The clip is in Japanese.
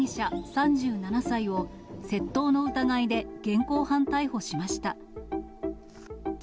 ３７歳を窃盗の疑いで現行犯逮捕しました。